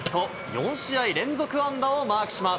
４試合連続安打をマークしま